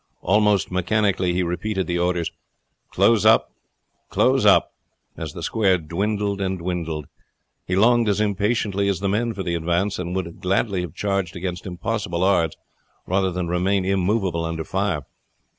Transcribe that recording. Almost mechanically he repeated the orders, "Close up, close up!" as the square dwindled and dwindled. He longed as impatiently as the men for the advance, and would have gladly charged against impossible odds rather than remain immovable under fire.